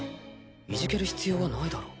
イジケる必要はないだろ。